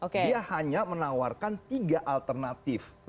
dia hanya menawarkan tiga alternatif